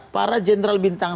para jenderal bintang satu